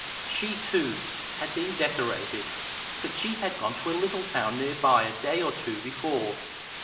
She, too, had been decorated. But she had gone to a little town near by a day or two before.